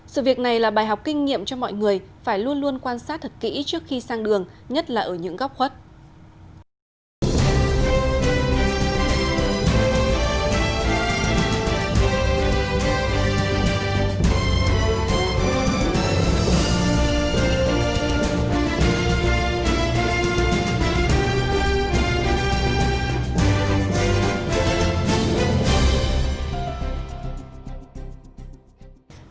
sự việc này là bài học kinh nghiệm cho mọi người phải luôn luôn quan sát thật kỹ trước khi sang đường nhất là ở những góc khuất